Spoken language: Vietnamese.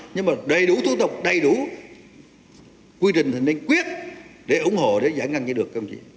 nhưng mà đầy đủ thủ tục đầy đủ quy trình thành tinh quyết để ủng hộ để giải ngăn như được